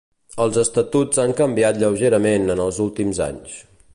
Els estatuts han canviat lleugerament en els últims anys.